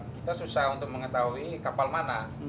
kita susah untuk mengetahui kapal mana